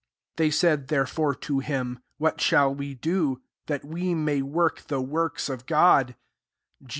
26 They said therefore, to him, ^ What shall we do, that we may work the works of God